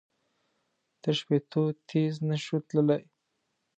تر شپېتو تېز نه شول تللای.